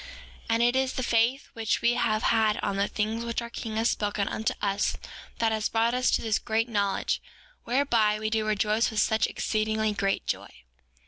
5:4 And it is the faith which we have had on the things which our king has spoken unto us that has brought us to this great knowledge, whereby we do rejoice with such exceedingly great joy.